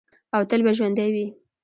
او تل به ژوندی وي.